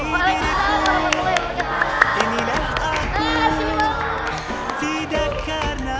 waalaikumsalam warahmatullahi wabarakatuh